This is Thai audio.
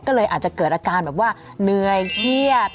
ก็เลยอาจจะเกิดอาการแบบว่าเหนื่อยเครียด